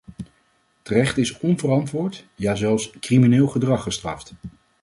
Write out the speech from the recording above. Terecht is onverantwoord, ja zelfs, crimineel gedrag gestraft.